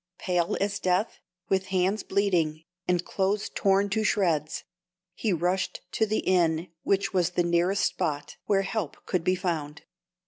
Pale as death, with hands bleeding, and clothes torn to shreds, he rushed to the inn, which was the nearest spot where help could be found.